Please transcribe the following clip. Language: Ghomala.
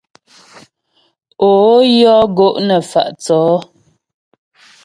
Ó yɔ́ gó' nə fa' yəŋ.